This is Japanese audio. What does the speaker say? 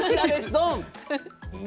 ドン。